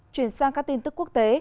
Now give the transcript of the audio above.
chuyển sang các tin tức quốc tế